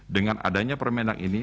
dengan adanya permendak ini